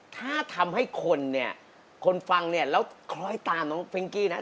ถ้าทำให้คนฟังเนี่ยแล้วคล้อยตามน้องเฟรงกี้นะ